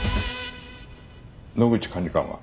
野口管理官は？